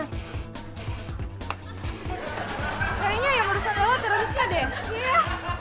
kayaknya yang berusaha lewat terorisnya deh